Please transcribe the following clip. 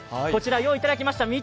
こちら用意していただきました。